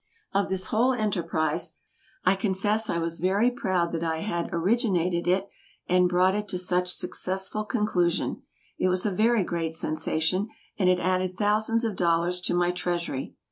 Of this whole enterprise, I confess I was very proud that I had originated it and brought it to such successful conclusion. It was a very great sensation, and it added thousands of dollars to my treasury.